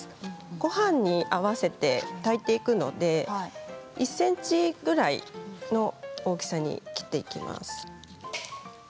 ごはんに合わせて炊いていくので１ｃｍぐらいの大きさに切っていきます。